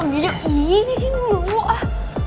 om jojo iiih disini dulu ah